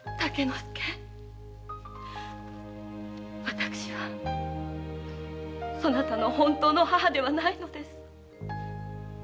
私はそなたの本当の母ではないのです。